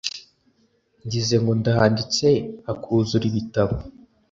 Ngize ngo ndanditse hakuzura ibitabo